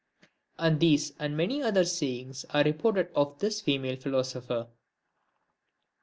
And these and many other sayings are reported of this female philosopher. IV.